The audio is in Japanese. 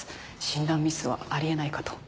診断ミスはあり得ないかと。